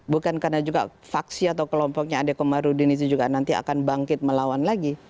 bukan karena juga faksi atau kelompoknya adekomarudin itu juga nanti akan bangkit melawan lagi